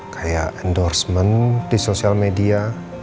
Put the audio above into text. kayak endorsement di sosial media